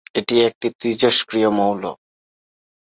এটি একটি তেজস্ক্রিয় মৌল।